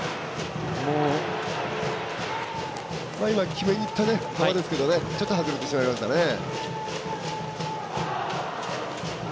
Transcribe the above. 決めにいった球ですけどちょっと外れてしまいましたね。